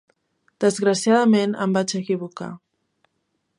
Desgraciadament em vaig equivocar.